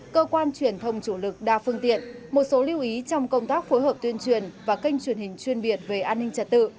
cơ quan truyền thông chủ lực đa phương tiện một số lưu ý trong công tác phối hợp tuyên truyền và kênh truyền hình chuyên biệt về an ninh trật tự